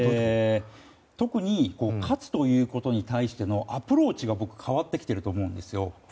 特に、勝つということに対してのアプローチが僕、変わってきていると思うんですよ。